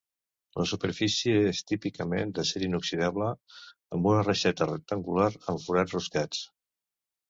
La superfície és típicament d'acer inoxidable amb una reixeta rectangular amb forats roscats.